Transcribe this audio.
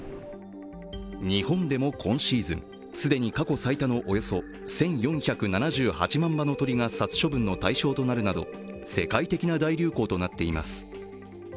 日本でも今シーズン既に過去最多のおよそ１４７８万羽の鳥が殺処分の対象となるなど世界的な大流行となっています。